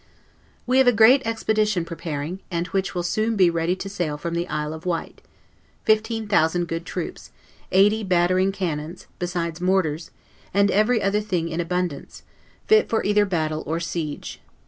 We have a great expedition preparing, and which will soon be ready to sail from the Isle of Wight; fifteen thousand good troops, eighty battering cannons, besides mortars, and every other thing in abundance, fit for either battle or siege.